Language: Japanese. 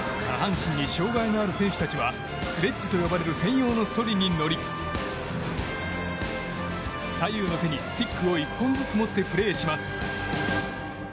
下半身に障害のある選手たちはスレッジと呼ばれる専用のそりに乗り左右の手にスティックを１本ずつ持ってプレーします。